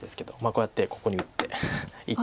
こうやってここに打って一回。